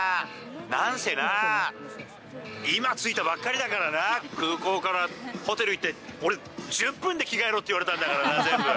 なんせな、今、着いたばっかりだからな、空港からホテル行って、俺、１０分で着替えろって言われたん